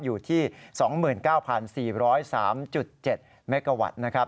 อยู่ที่๒๙๔๐๓๗เมกาวัตต์นะครับ